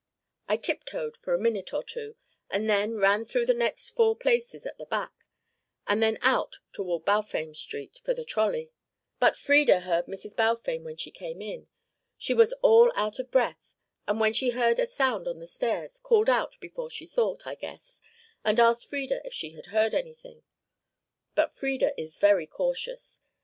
I tiptoed for a minute or two and then ran through the next four places at the back, and then out toward Balfame Street, for the trolley. But Frieda heard Mrs. Balfame when she came in. She was all out of breath, and, when she heard a sound on the stairs, called out before she thought, I guess, and asked Frieda if she had heard anything. But Frieda is very cautious.